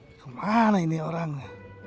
kemana ini orangnya